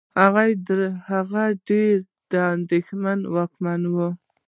هغه ډېر دور اندېش واکمن وو.